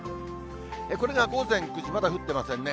これが午前９時、まだ降っていませんね。